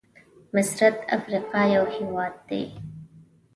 مصرد افریقا یو هېواد دی.